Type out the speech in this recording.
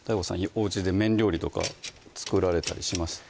おうちで麺料理とか作られたりします？